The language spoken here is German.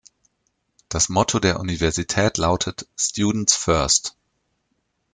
Das Motto der Universität lautet "Students First".